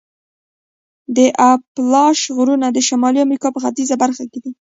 د اپالاش غرونه د شمالي امریکا په ختیځه برخه کې دي.